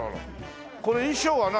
これ衣装は何？